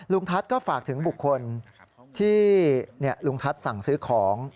ทัศน์ก็ฝากถึงบุคคลที่ลุงทัศน์สั่งซื้อของ